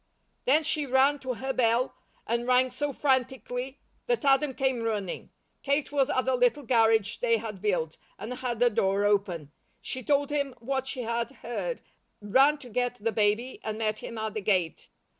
Then she ran to her bell and rang so frantically that Adam came running. Kate was at the little garage they had built, and had the door open. She told him what she had heard, ran to get the baby, and met him at the gate.